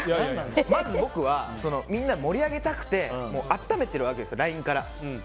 まず僕はみんなを盛り上げたくて温めてるわけですよＬＩＮＥから。